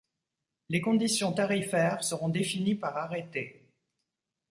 Les conditions tarifaires seront définies par arrêté.